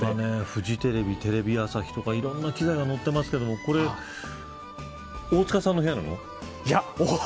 フジテレビ、テレビ朝日とかいろんな機材が載ってますけど大塚さんの部屋なの。